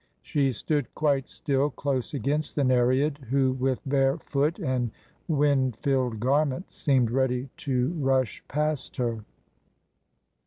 She stood quite still close against the Nereid, who with bare foot and wind filled garment seemed ready to rush past her.